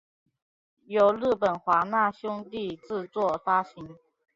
由日本华纳兄弟制作发行。